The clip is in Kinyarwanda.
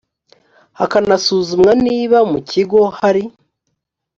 hakanasuzumwa niba mu kigo hari